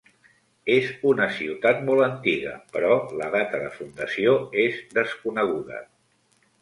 És una ciutat molt antiga, però la data de fundació és desconeguda.